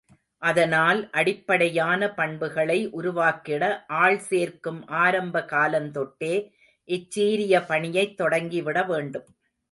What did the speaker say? அதனால், அடிப்படையான பண்புகளை உருவாக்கிட, ஆள் சேர்க்கும் ஆரம்ப காலந்தொட்டே, இச்சீரிய பணியைத் தொடங்கிவிட வேண்டும்.